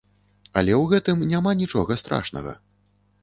Але ў гэтым няма нічога страшнага.